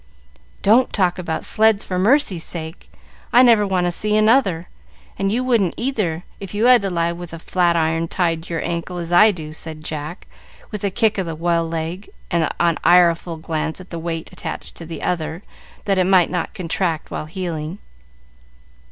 "Don't talk about sleds, for mercy's sake! I never want to see another, and you wouldn't, either, if you had to lie with a flat iron tied to your ankle, as I do," said Jack, with a kick of the well leg and an ireful glance at the weight attached to the other that it might not contract while healing.